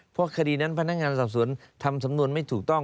เพราะคดีนั้นพนักงานสอบสวนทำสำนวนไม่ถูกต้อง